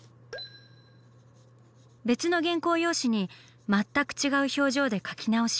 別の原稿用紙に全く違う表情で描き直し。